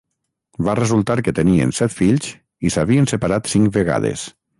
Va resultar que tenien set fills i s'havien separat cinc vegades.